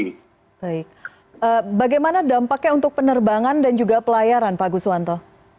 baik bagaimana dampaknya untuk penerbangan dan juga pelayaran pak guswanto